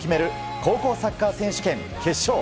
高校サッカー選手権決勝。